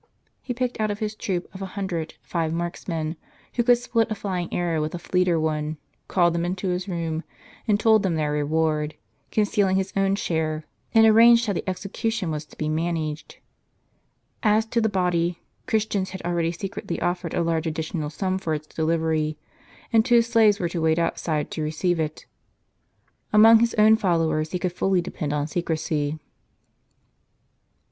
He picked out of his troop of a hundred, five marksmen, who could split a flying arrow with a fleeter one, called them into his room, told them their reward, concealing his own share, and arranged how the execu tion was to be managed. As to the body, Christians had already secretly offered a large additional sum for its delivery. ffi and two slaves were to wait outside to receive it. Among his own followers he could fully depend on secrecy.